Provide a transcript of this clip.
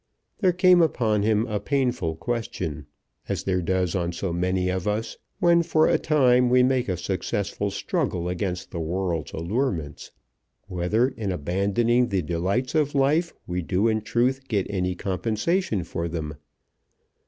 There came upon him a painful question, as there does on so many of us, when for a time we make a successful struggle against the world's allurements, whether in abandoning the delights of life we do in truth get any compensation for them.